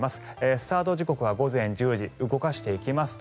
スタート時刻は午前１０時動かしていきますと